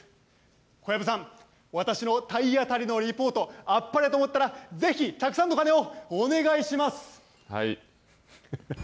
小籔さん、私の体当たりのリポート、あっぱれと思ったら、ぜひたくさんの鐘をお願いします。